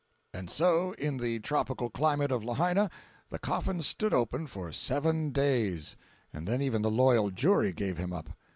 And so in the tropical climate of Lahaina the coffin stood open for seven days, and then even the loyal jury gave him up.